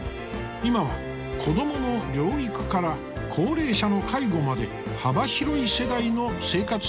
今は子どもの療育から高齢者の介護まで幅広い世代の生活支援を行っています。